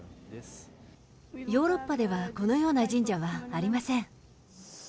ヨーロッパでは、このような神社はありません。